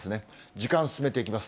時間進めていきます。